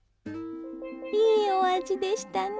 いいお味でしたね。